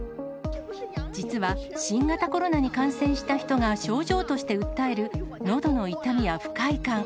実は新型コロナに感染した人が症状として訴える、のどの痛みや不快感。